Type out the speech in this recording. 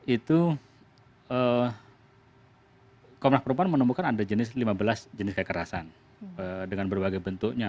itu komnak perupaan menemukan ada lima belas jenis kekerasan dengan berbagai bentuknya